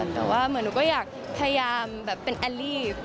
แต่ว่าหนูก็อยากพยายามเป็นอัลลี